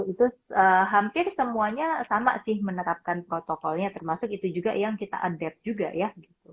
itu hampir semuanya sama sih menerapkan protokolnya termasuk itu juga yang kita adapt juga ya